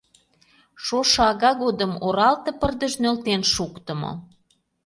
Шошо ага годым оралте пырдыж нӧлтен шуктымо.